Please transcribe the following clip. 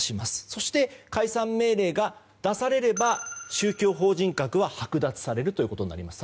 そして解散命令が出されれば宗教法人格ははく奪されることになります。